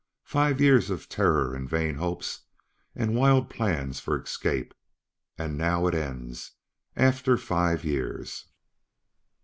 Five years of terror and vain hopes and wild plans for escape! And now it ends after five years!"